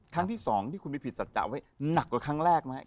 ครั้งที่๒ที่คุณไปผิดสัจจะไว้หนักกว่าครั้งแรกไหม